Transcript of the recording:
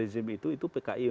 rezim itu itu pki